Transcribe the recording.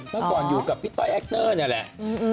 เมื่อก่อนอยู่กับพี่ต้อยแอคเนอร์นี่แหละ